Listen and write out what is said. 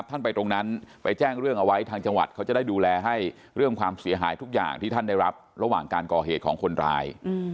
ท่านไปตรงนั้นไปแจ้งเรื่องเอาไว้ทางจังหวัดเขาจะได้ดูแลให้เรื่องความเสียหายทุกอย่างที่ท่านได้รับระหว่างการก่อเหตุของคนร้าย